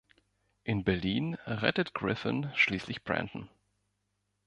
In Berlin rettet Griffin schließlich Brandon.